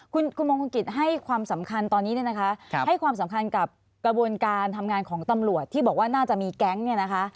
คุณมงคลกิจให้ความสำคัญตอนนี้เนี่ยนะคะให้ความสำคัญกับกระบวนการทำงานของตำรวจที่บอกว่าน่าจะมีแก๊งเนี่ยนะคะ